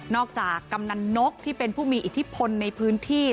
จากกำนันนกที่เป็นผู้มีอิทธิพลในพื้นที่